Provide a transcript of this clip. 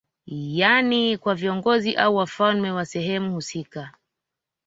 Yani kwa viongozi au wafalme wa sehemu husika